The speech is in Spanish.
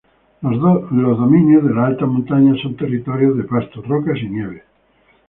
Los dominios de la alta montaña son territorio de pastos, rocas y nieves.